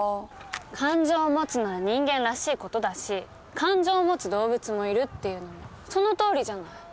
感情を持つのは人間らしい事だし感情を持つ動物もいるっていうのもそのとおりじゃない。